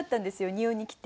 日本に来て。